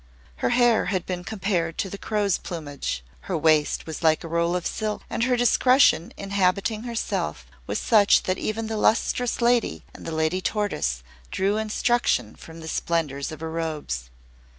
Her hair had been compared to the crow's plumage; her waist was like a roll of silk, and her discretion in habiting herself was such that even the Lustrous Lady and the Lady Tortoise drew instruction from the splendours of her robes.